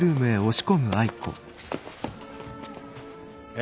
え？